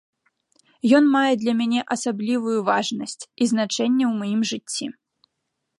Ён мае для мяне асаблівую важнасць і значэнне ў маім жыцці.